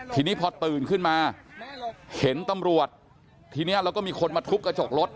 ทีนี้พอตื่นขึ้นมาเห็นตำรวจทีนี้แล้วก็มีคนมาทุบกระจกรถ